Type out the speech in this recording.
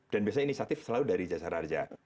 dan biasanya inisiatif selalu dari jasa raja